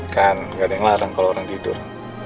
kan tidak ada yang ngelarang kalau orang tidur